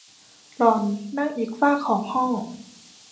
หล่อนนั่งอีกฟากของห้อง